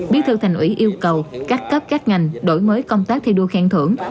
bí thư thành ủy yêu cầu các cấp các ngành đổi mới công tác thi đua khen thưởng